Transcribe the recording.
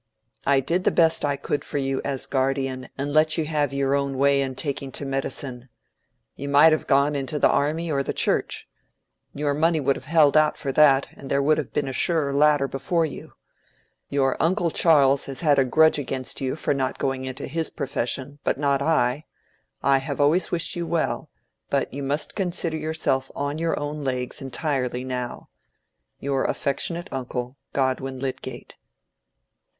I did the best I could for you as guardian, and let you have your own way in taking to medicine. You might have gone into the army or the Church. Your money would have held out for that, and there would have been a surer ladder before you. Your uncle Charles has had a grudge against you for not going into his profession, but not I. I have always wished you well, but you must consider yourself on your own legs entirely now. Your affectionate uncle, GODWIN LYDGATE."